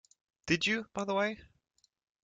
Did you, by the way?